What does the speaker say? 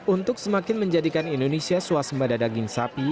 untuk semakin menjadikan indonesia suasembadadagin sapi